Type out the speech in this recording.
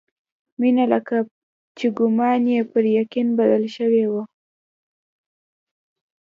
مينه لکه چې ګومان يې پر يقين بدل شوی و.